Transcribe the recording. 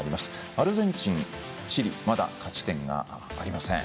アルゼンチン、チリまだ勝ち点がありません。